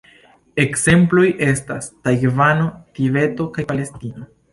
Ekzemploj estas Tajvano, Tibeto kaj Palestino.